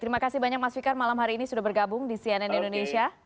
terima kasih banyak mas fikar malam hari ini sudah bergabung di cnn indonesia